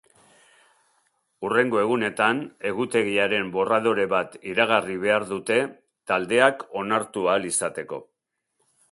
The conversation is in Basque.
Hurrengo egunetan egutegiaren borradore bat iragarri behar dute taldeak onartu ahal izateko.